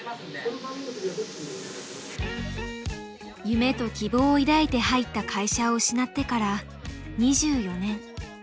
夢と希望を抱いて入った会社を失ってから２４年。